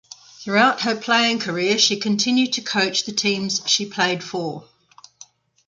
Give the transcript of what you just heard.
Throughout her playing career she continued to coach the teams she played for.